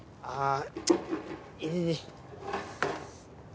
ああ。